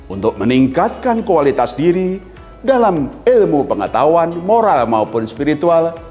untuk meningkatkan kualitas diri dalam ilmu pengetahuan moral maupun spiritual